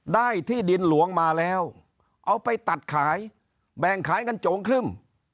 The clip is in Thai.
ได้ที่ดินหลวงมาแล้วเอาไปตัดขายแบ่งขายกันโจงครึ่ม